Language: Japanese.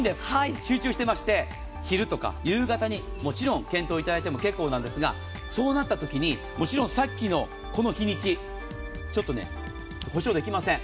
集中していまして昼とか夕方にもちろん検討いただいても結構ですが、そうなった時にもちろん、さっきのこの日にちちょっと保証できません。